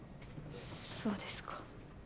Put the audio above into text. そうですか。